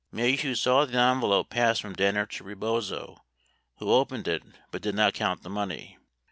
Maheu saw the envelope pass from Danner to Rebozo, who opened it but did not count the money.